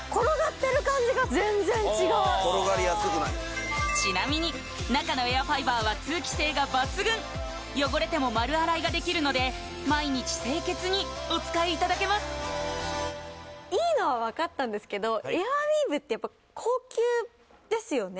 転がりやすくないちなみに中のエアファイバーは通気性が抜群汚れても丸洗いができるので毎日清潔にお使いいただけますいいのは分かったんですけどエアウィーヴってやっぱ高級ですよね・